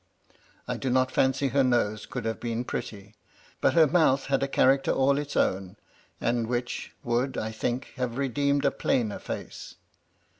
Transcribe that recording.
I do not fancy her nose could have been pretty ; but her mouth had a character all its own, and which would, I think, have redeemed a plainer face.